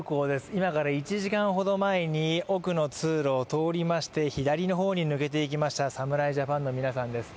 今から１時間ほど前に奥の通路を通りまして左の方に抜けていきました、侍ジャパンの皆さんです。